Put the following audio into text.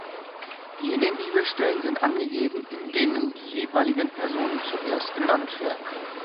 Jene Bibelstellen sind angegeben, in denen die jeweiligen Personen zuerst genannt werden.